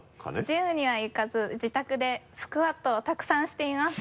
ジムには行かず自宅でスクワットをたくさんしています。